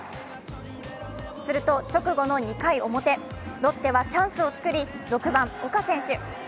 すると直後の２回表、ロッテはチャンスを作り、６番・岡選手。